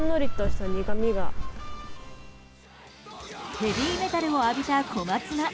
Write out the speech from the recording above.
ヘビーメタルを浴びた小松菜。